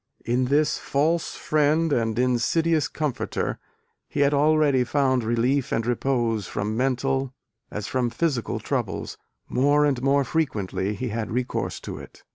In this false friend and insidious comforter he had already found relief and repose from mental, as from physical troubles, more and more frequently he had recourse to it.